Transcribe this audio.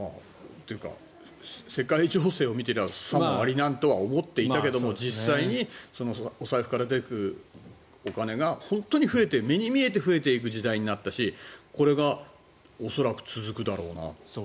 世界情勢を見てればさもありなんだと思っていたけど実際にお財布から出ていくお金が本当に増えて目に見えて増えていく時代になったし恐らく続くだろうなと。